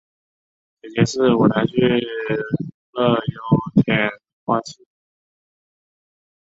姐姐是舞台剧女优田村花恋。